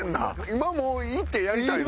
今もう行ってやりたいわ。